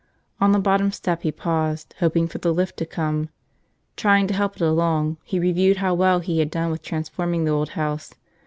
On the bottom step he paused, hoping for the lift to come. Trying to help it along, he reviewed how well he had done with transforming the old house.